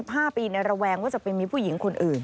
๕ปีในระแวงว่าจะไปมีผู้หญิงคนอื่น